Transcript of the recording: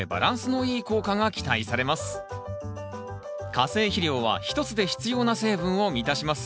化成肥料は１つで必要な成分を満たします。